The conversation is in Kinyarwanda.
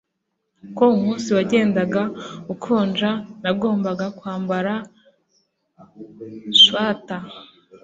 Uko umunsi wagendaga ukonja, nagombaga kwambara swater.